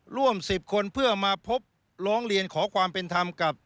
ร่วม๑๐คนเพื่อมาพบร้องเรียนขอความเป็นธรรมกับ